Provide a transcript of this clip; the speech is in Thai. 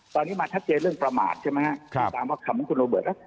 ตอนนี้มาทัดเจนเรื่องประมาทของคำคุณโรเบิร์ต